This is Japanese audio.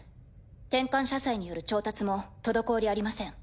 転換社債による調達も滞りありません。